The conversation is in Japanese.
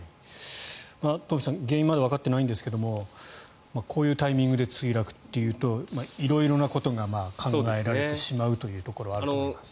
東輝さん、原因はまだわかっていないんですがこういうタイミングで墜落というと色々なことが考えられてしまうというところはあると思います。